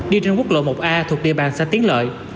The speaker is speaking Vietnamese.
đi trên quốc lộ một a thuộc địa bàn xã tiến lợi